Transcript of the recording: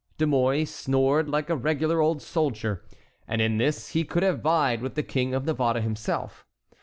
De Mouy snored like a regular old soldier, and in this he could have vied with the King of Navarre himself.